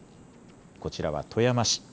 こちらは富山市。